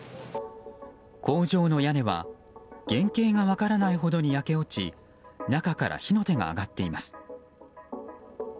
工場の屋根は原型が分からないほどに焼け落ち中から火の手が上がっています。